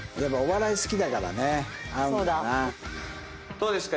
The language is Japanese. どうですか？